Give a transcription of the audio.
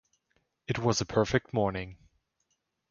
It was a perfect morning.